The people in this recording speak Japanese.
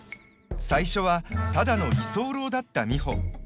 最初はただの居候だった美穂。